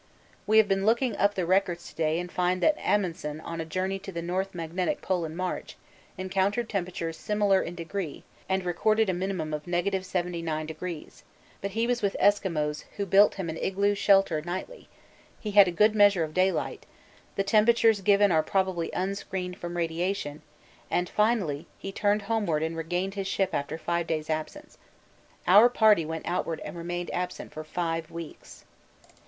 We have been looking up the records to day and find that Amundsen on a journey to the N. magnetic pole in March encountered temperatures similar in degree and recorded a minimum of 79°; but he was with Esquimaux who built him an igloo shelter nightly; he had a good measure of daylight; the temperatures given are probably 'unscreened' from radiation, and finally, he turned homeward and regained his ship after five days' absence. Our party went outward and remained absent for five weeks.